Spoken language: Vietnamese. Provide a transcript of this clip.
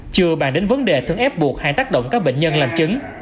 chưa bàn đến vấn đề thường ép buộc hay tác động các bệnh nhân làm chứng